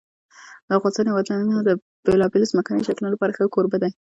د افغانستان هېواد د بېلابېلو ځمکنیو شکلونو لپاره ښه کوربه دی.